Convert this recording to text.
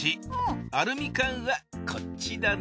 アルミ缶はこっちだね。